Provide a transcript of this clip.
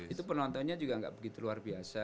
itu penontonnya juga nggak begitu luar biasa